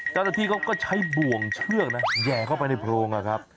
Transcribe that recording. เจ้าหน้าที่เขาก็ใช้บ่วงเชือกนะแห่เข้าไปในโพรงนะครับ